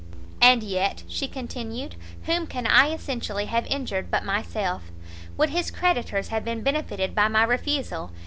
"And yet," she continued, "whom can I essentially have injured but myself? would his creditors have been benefitted by my refusal?